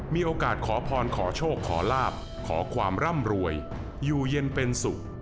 มีโอกาสขอพรขอโชคขอลาบขอความร่ำรวยอยู่เย็นเป็นสุข